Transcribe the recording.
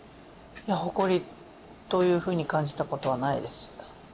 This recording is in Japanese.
誇りというふうに感じたことはないです